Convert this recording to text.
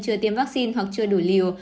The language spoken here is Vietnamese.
chưa tiêm vaccine hoặc chưa đủ liều